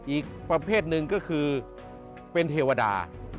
อีกประเภทหนึ่งก็คือเป็นเทวดา